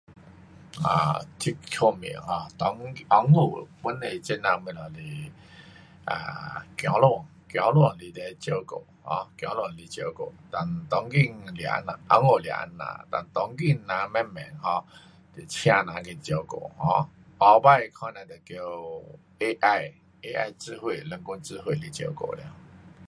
um 这方面 um 当，温故本地这那东西是 um 子孙，子孙来这照顾，um 子孙来照顾，哒当今是这样，温故是这样，哒当今人慢慢 um 就请人来照顾 um 以后可能得叫 AI，AI 智慧，人工智慧来做了。